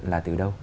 là từ đâu